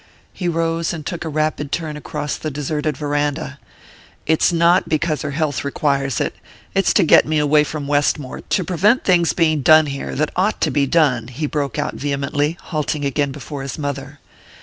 He rose and took a rapid turn across the deserted verandah. "It's not because her health requires it it's to get me away from Westmore, to prevent things being done there that ought to be done!" he broke out vehemently, halting again before his mother.